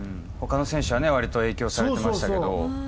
他の選手はわりと影響されてましたけど。